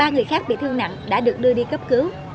ba người khác bị thương nặng đã được đưa đi cấp cứu